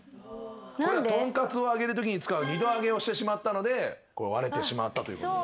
これはトンカツを揚げるときに使う二度揚げをしてしまったので割れてしまったということ。